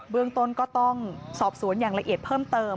เมืองต้นก็ต้องสอบสวนอย่างละเอียดเพิ่มเติม